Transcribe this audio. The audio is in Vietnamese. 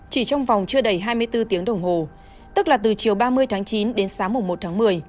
chỉ trong vòng chưa đầy hai mươi bốn tiếng đồng hồ tức là từ chiều ba mươi tháng chín đến sáng một tháng một mươi